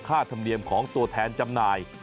ธรรมเนียมของตัวแทนจำหน่าย